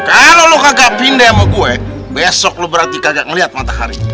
kalo lu kagak pindah yani western besok lo berarti kagak ngeliat matahari